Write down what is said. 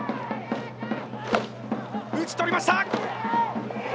打ち取りました！